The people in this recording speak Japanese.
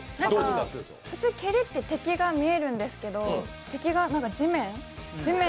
なんか普通、蹴りって敵が見えるんですけど敵がなんか地面？